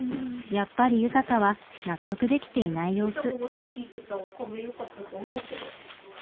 やっぱり悠鷹は納得できていない様子。